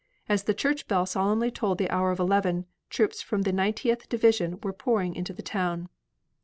As the church bell solemnly tolled the hour of eleven, troops from the Ninetieth division were pouring into the town.